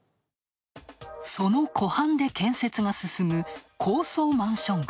その湖畔で建設が進む高層マンション群。